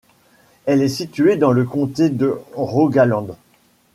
Elle est située dans le comté de Rogaland.